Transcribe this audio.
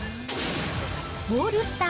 オールスター